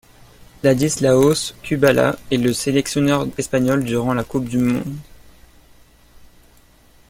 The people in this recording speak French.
Ladislao Kubala est le sélectionneur espagnol durant la Coupe du monde.